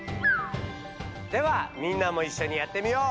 ではみんなもいっしょにやってみよう！